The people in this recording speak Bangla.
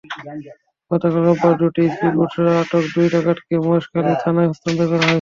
গতকাল রোববার দুটি স্পিডবোটসহ আটক দুই ডাকাতকে মহেশখালী থানায় হস্তান্তর করা হয়েছে।